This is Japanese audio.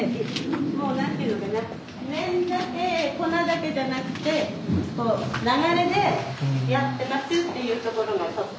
もう何て言うのかな麺だけ粉だけじゃなくて流れでやってますっていうところがちょっと。